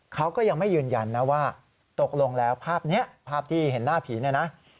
เขาก็ยังไม่ยืนยันนะว่าตกลงแล้วภาพนี้ภาพที่เห็นหน้าผีเนี่ยนะ